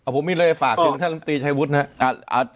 ผมมีเลยฝากถึงท่านลำตีชายวุฒินะครับ